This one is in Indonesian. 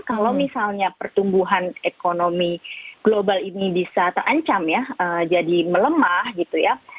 kalau misalnya pertumbuhan ekonomi global ini bisa terancam ya jadi melemah gitu ya